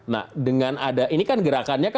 nah dengan ada ini kan gerakannya